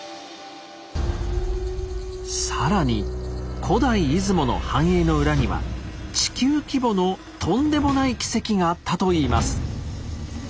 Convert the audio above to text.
更に古代出雲の繁栄の裏には地球規模のとんでもない奇跡があったといいます。